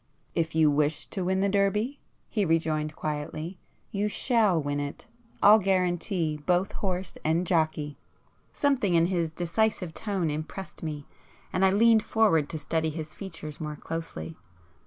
"If you wish to win the Derby," he rejoined quietly—"you shall win it. I'll guarantee both horse and jockey!" Something in his decisive tone impressed me, and I leaned forward to study his features more closely.